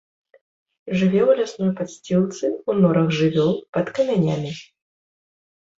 Жыве ў лясной падсцілцы, у норах жывёл, пад камянямі.